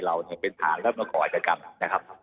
เราเนี่ยเป็นฐานแล้วมาก่ออาจกรรมนะครับ